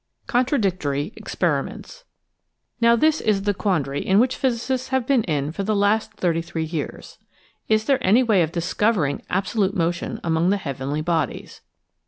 CONTRADICTORY EXPERIMENTS Now this is the quandary in which physicists have been in for the last thirty three years. Is there any way of discovering absolute motion among the heav enly bodies